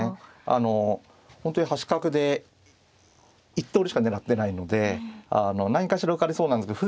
あの本当に端角で１通りしか狙ってないので何かしら受かりそうなんですけど